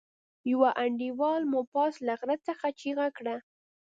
يوه انډيوال مو پاس له غره څخه چيغه کړه.